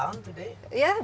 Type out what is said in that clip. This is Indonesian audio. ada pilot di sekitar hari ini